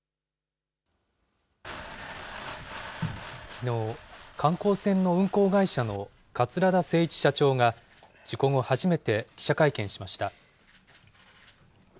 きのう、観光船の運航会社の桂田精一社長が、事故後、初めて記者会見しました。